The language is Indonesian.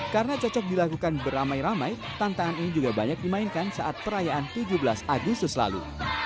karena cocok dilakukan beramai ramai tantangan ini juga banyak dimainkan saat perayaan tujuh belas agustus lalu